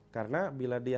karena bila dia